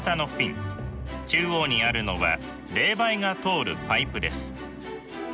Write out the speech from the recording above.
中央にあるのは冷媒が通るパイプです。